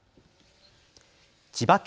千葉県